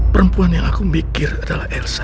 perempuan yang aku mikir adalah elsa